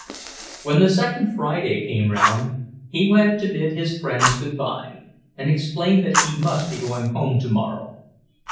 When the second Friday came round, he went to bid his friends good bye and explained that he must be going home tomorrow.